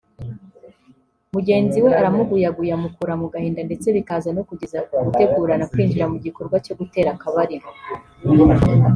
mugenzi we aramuguyaguya amukura mu gahinda ndetse bikaza no kugeza ku gutegurana kwinjir mu gikorwa cyo gutera akabariro